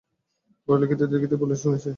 গোরা লিখিতে লিখিতেই বলিল, শুনেছি।